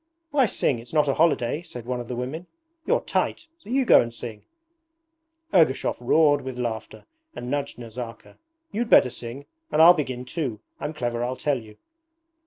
'Why sing? It's not a holiday,' said one of the women. 'You're tight, so you go and sing.' Ergushov roared with laughter and nudged Nazarka. 'You'd better sing. And I'll begin too. I'm clever, I tell you.'